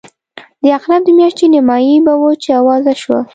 د عقرب د میاشتې نیمایي به وه چې آوازه شوه.